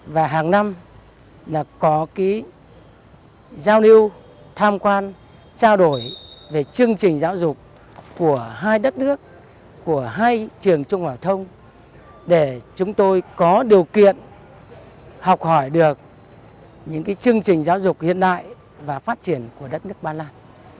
chúng tôi rất mong muốn giao lưu tham quan trao đổi về chương trình giáo dục của hai đất nước của hai trường trung học phổ thông để chúng tôi có điều kiện học hỏi được những chương trình giáo dục hiện đại và phát triển của đất nước ba lan